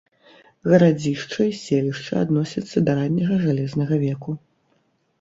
Гарадзішча і селішча адносяцца да ранняга жалезнага веку.